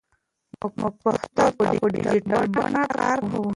موږ پښتو ته په ډیجیټل بڼه کار کوو.